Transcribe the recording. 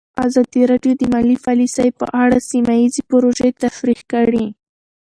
ازادي راډیو د مالي پالیسي په اړه سیمه ییزې پروژې تشریح کړې.